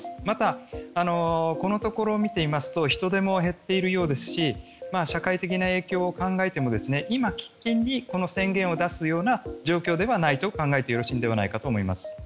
また、このところを見ていますと人出も減っているようですし社会的な影響を考えても今、喫緊に、この宣言を出すような状況ではないと考えてよろしいのではないかと思います。